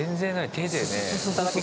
手でね。